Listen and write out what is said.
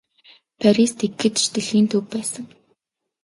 Парис тэгэхэд ч дэлхийн төв байсан.